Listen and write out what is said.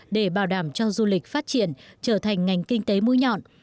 để bảo đảm cho du lịch phát triển trở thành ngành kinh tế mũi nhọn